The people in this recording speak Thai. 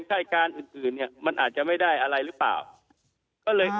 ค่ายการอื่นอื่นเนี่ยมันอาจจะไม่ได้อะไรหรือเปล่าก็เลย